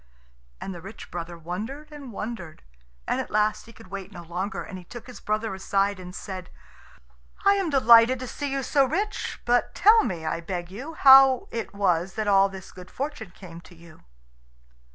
And the rich brother wondered and wondered, and at last he could wait no longer, and he took his brother aside and said, "I am delighted to see you so rich. But tell me, I beg you, how it was that all this good fortune came to you."